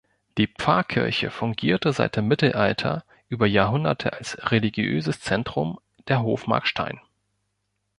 Die Pfarrkirche fungierte seit dem Mittelalter über Jahrhunderte als religiöses Zentrum der Hofmark Stein.